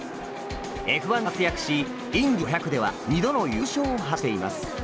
Ｆ１で活躍しインディ５００では２度の優勝を果たしています。